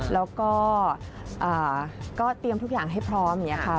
แล้วก็เตรียมทุกอย่างให้พร้อมอย่างนี้ค่ะ